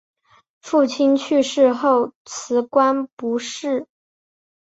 父亲去世后辞官不仕。